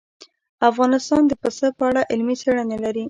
افغانستان د پسه په اړه علمي څېړنې لري.